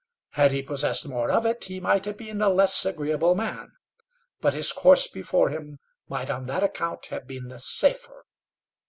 Had he possessed more of it, he might have been a less agreeable man, but his course before him might on that account have been the safer.